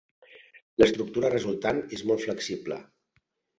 L'estructura resultant és molt flexible.